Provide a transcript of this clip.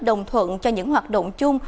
đồng thuận cho những hoạt động chung